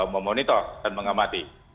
memonitor dan mengamati